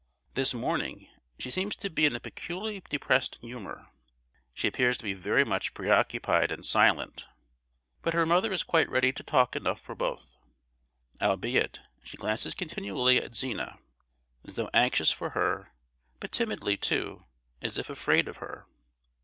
This morning she seems to be in a peculiarly depressed humour; she appears to be very much preoccupied and silent: but her mother is quite ready to talk enough for both; albeit she glances continually at Zina, as though anxious for her, but timidly, too, as if afraid of her.